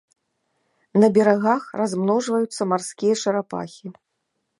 На берагах размножваюцца марскія чарапахі.